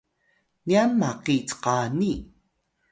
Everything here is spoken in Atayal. nyan maki cqani